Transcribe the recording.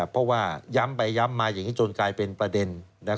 เพราะว่าย้ำไปย้ำมาอย่างนี้จนกลายเป็นประเด็น